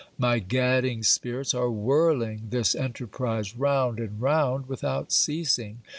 My gadding spirits are whirling this enterprise round and round without ceasing.